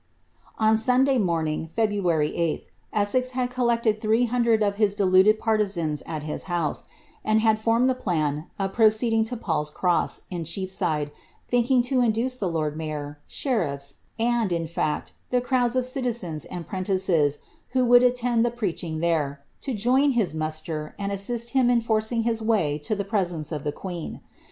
' On Sunday morning, Februarj 8th, Essex had coUecled three of his deluded partisans at his house, and had formed the plan ceeding lo Paul's Cross, in Cheapside, thinking lo induce the lord aheriffa, and, in fact, the crowds of ciliiens and 'prentices whi aiiend the preaching there, lo join his muster, and assist him in Ins way lo ihe presence of the queen.